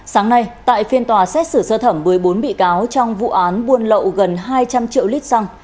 sáng nay tại phiên tòa xét xử sơ thẩm một mươi bốn bị cáo trong vụ án buôn lậu gần hai trăm linh triệu lít xăng